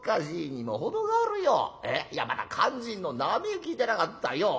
いやまだ肝心の名前聞いてなかったよ。